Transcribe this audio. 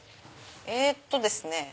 えっとですね。